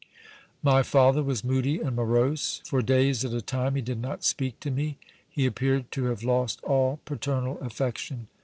My father was moody and morose. For days at a time he did not speak to me. He appeared to have lost all paternal affection.